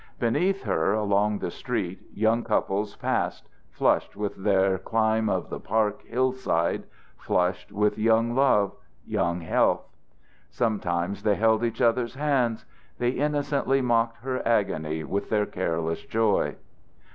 Beneath her, along the street, young couples passed, flushed with their climb of the park hillside, and flushed with young love, young health. Sometimes they held each other's hands; they innocently mocked her agony with their careless joy.